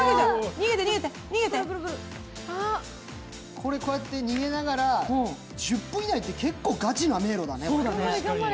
こうやって逃げながら１０分以内って結構ガチな迷路だね。